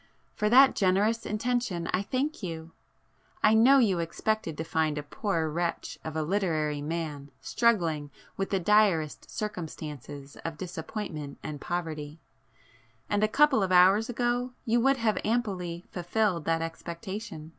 For that generous intention I thank you! I know you expected to find a poor wretch of a literary man struggling with the direst circumstances of disappointment and poverty,—and a couple of hours ago you would have amply fulfilled that expectation.